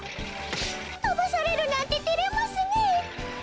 とばされるなんててれますねえ。